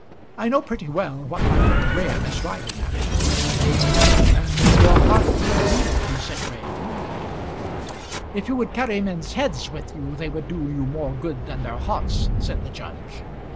I know pretty well what my friend Graham is driving at." "And in your heart you agree with me," said Graham. "If you would carry men's heads with you they would do you more good than their hearts," said the judge.